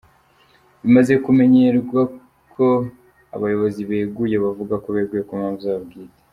Bimaze kumenyerwa ko abayobozi beguye bavuga ko beguye ku mpamvu zabo bwite.